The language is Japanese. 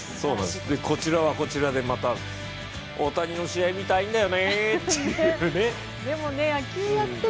こちらはこちらで、また大谷の試合見たいんだよねって。